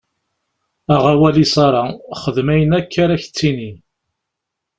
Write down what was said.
Aɣ awal i Ṣara, xdem ayen akk ara k-d-tini.